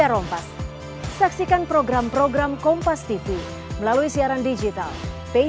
ya ada suntik covidnya empat kali